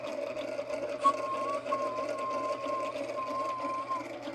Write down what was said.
The district council's headquarters were in Galashiels.